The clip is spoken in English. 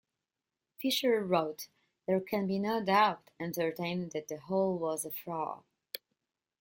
Fisher wrote: "There can be no doubt entertained that the whole was a fraud.".